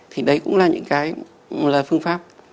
thì đấy cũng là những cái là phương pháp